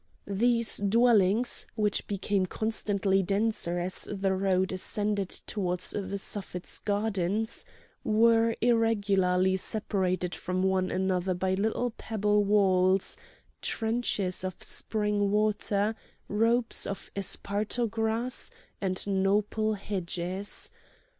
These dwellings, which became constantly denser as the road ascended towards the Suffet's gardens, were irregularly separated from one another by little pebble walls, trenches of spring water, ropes of esparto grass, and nopal hedges.